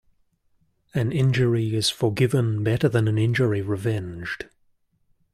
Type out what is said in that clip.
An injury is forgiven better than an injury revenged.